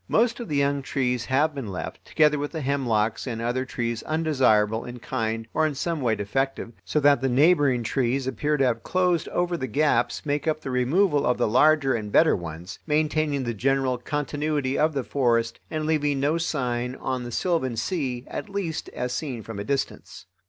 Most of the young trees have been left, together with the hemlocks and other trees undesirable in kind or in some way defective, so that the neighboring trees appear to have closed over the gaps make by the removal of the larger and better ones, maintaining the general continuity of the forest and leaving no sign on the sylvan sea, at least as seen from a distance.